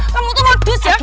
kamu tuh modus ya